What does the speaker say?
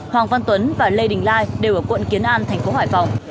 hoàng văn tuấn và lê đình lai đều ở quận kiến an thành phố hải phòng